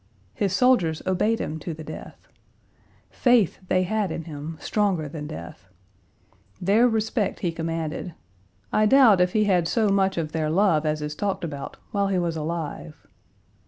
His soldiers obeyed him to the death. Faith they had in him stronger than death. Their respect he commanded. I doubt if he had so much of their love as is talked about while he was alive.